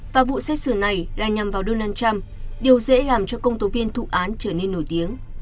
và vụ xét xử này là nhằm vào donald trump điều dễ làm cho công tố viên thụ án trở nên nổi tiếng